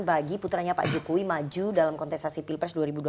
bagi putranya pak jokowi maju dalam kontestasi pilpres dua ribu dua puluh